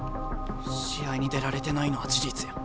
試合に出られてないのは事実や。